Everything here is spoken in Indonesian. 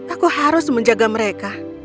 aku harus menjaga mereka